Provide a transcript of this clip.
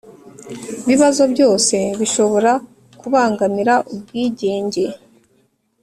bibazo byose bishobora kubangamira ubwigenge